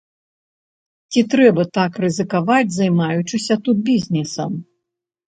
Ці трэба так рызыкаваць, займаючыся тут бізнэсам?